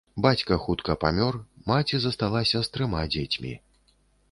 Бацька хутка памёр, маці засталася з трыма дзецьмі.